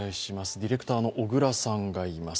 ディレクターの小倉さんがいます。